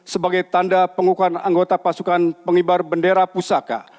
sebagai tanda pengukuhan anggota pasukan pengibar bendera pusaka